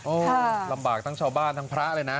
ลำบากทั้งชาวบ้านทั้งพระเลยนะ